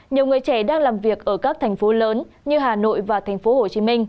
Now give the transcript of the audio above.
nhiều người trẻ đang làm việc ở các thành phố lớn như hà nội và tp hcm